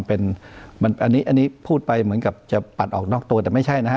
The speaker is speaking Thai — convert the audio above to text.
อันนี้พูดไปเหมือนกับจะปัดออกนอกตัวแต่ไม่ใช่นะฮะ